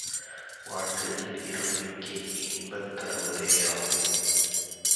வாழ்க்கையில் இருள் நீக்கி இன்பந் தருவதேயாகும்.